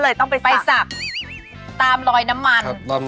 และคริสคริสและกัน